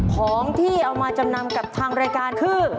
ของที่เอามาจำนำกับทางรายการคือ